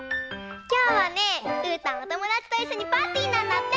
きょうはねうーたんおともだちといっしょにパーティーなんだって。